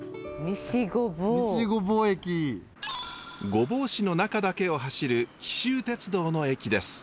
御坊市の中だけを走る紀州鉄道の駅です。